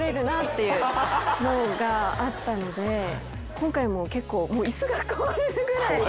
今回も結構イスが壊れるぐらい。